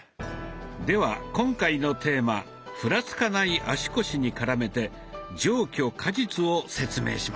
では今回のテーマ「ふらつかない足腰」に絡めて「上虚下実」を説明します。